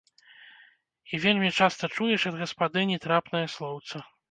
І вельмі часта чуеш ад гаспадыні трапнае слоўца.